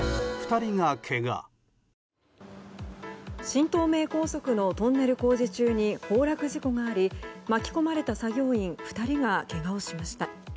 新東名高速のトンネル工事中に崩落事故があり巻き込まれた作業員２人がけがをしました。